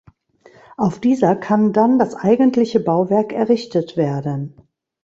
Auf dieser kann dann das eigentliche Bauwerk errichtet werden.